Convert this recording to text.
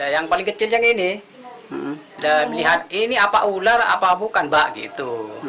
yang paling kecil yang ini melihat ini apa ular apa bukan bak gitu